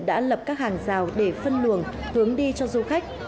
đã lập các hàng rào để phân luồng hướng đi cho du khách